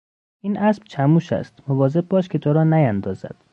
این اسب چموش است، مواظب باش که تو را نیاندازد.